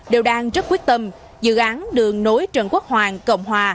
đều đang rất quyết tâm dự án đường nối trần quốc hoàng cộng hòa